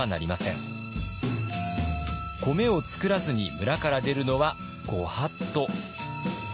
米を作らずに村から出るのは御法度。